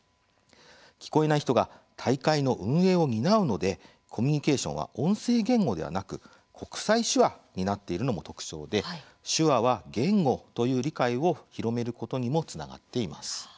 聞こえない人が大会の運営を担うのでコミュニケーションは音声言語ではなく国際手話になっているのも特徴で手話は言語という理解を広めることにもつながっています。